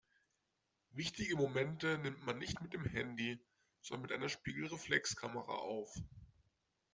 Wichtige Momente nimmt man nicht mit dem Handy, sondern mit einer Spiegelreflexkamera auf.